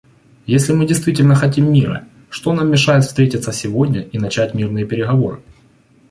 Если мы действительно хотим мира, что нам мешает встретиться сегодня и начать мирные переговоры?